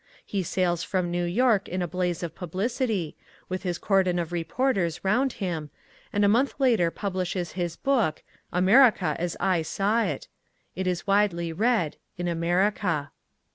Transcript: He sails from New York in a blaze of publicity, with his cordon of reporters round him, and a month later publishes his book "America as I Saw It". It is widely read in America.